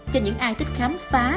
cho những ai thích khám phá